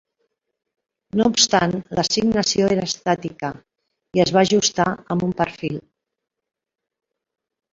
No obstant, la assignació era estàtica, i es va ajustar amb un perfil.